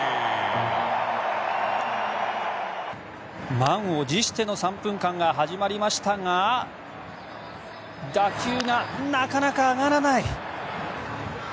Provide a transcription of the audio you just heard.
満を持しての３分間が始まりましたが打球が、なかなか上がらない！